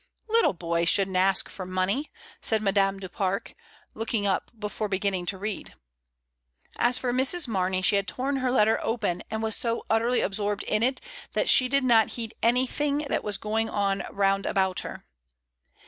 "Little boys shouldn't ask for money," said Ma dame du Pare, looking up before beginning to read. As for Mrs. Mamey, she had torn her letter open and was so utterly absorbed in it that she did not heed anything that was going on round about her.